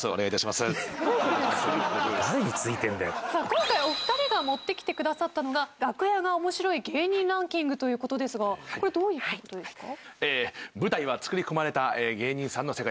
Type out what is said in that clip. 今回お二人が持ってきてくださったのが楽屋が面白い芸人ランキングということですがどういったことですか？